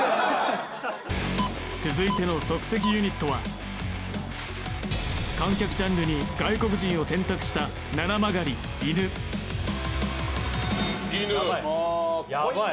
続いての即席ユニットは観客ジャンルに外国人を選択したななまがりいぬヤバい